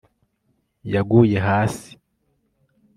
Yaguye hasi